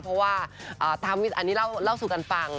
เพราะว่าอันนี้เล่าสู่กันฟัง